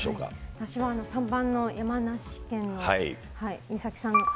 私は３番の山梨県の美咲さんの。